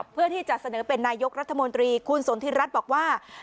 เพื่อที่จะเสนอเป็นนายกรัฐมนตรีคุณสนทิรัฐบอกว่า